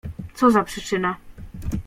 "Co za przyczyna?"